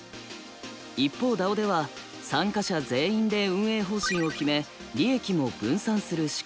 一方ＤＡＯでは参加者全員で運営方針を決め利益も分散する仕組み。